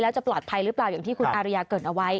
แล้วจะปลอดภัยหรือเปล่าอย่างที่คุณอาริยาเกิดเอาไว้